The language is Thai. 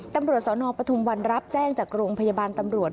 ตำรวจสนปทุมวันรับแจ้งจากโรงพยาบาลตำรวจ